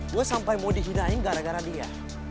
gue sampai mau dihinain gara gara dia